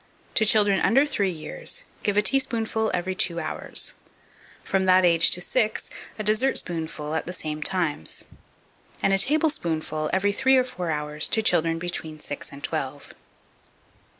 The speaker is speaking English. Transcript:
To children under three years, give a teaspoonful every two hours; from that age to six, a dessertspoonful at the same times; and a tablespoonful every three or four hours to children between six and twelve.